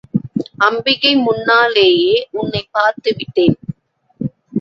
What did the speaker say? அம்பிகை முன்னாலேயே உன்னைப் பார்த்து விட்டேன்.